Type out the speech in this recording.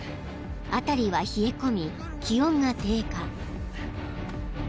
［辺りは冷え込み気温が低下］